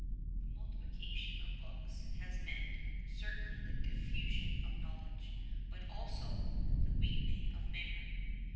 The multiplication of books has meant — certainly the dif fusion of knowledge, but also — the weakening of memory.